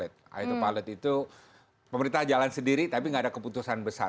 adalah pos dimana